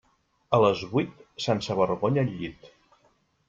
A les vuit, sense vergonya al llit.